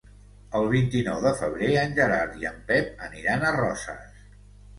El vint-i-nou de febrer en Gerard i en Pep aniran a Roses.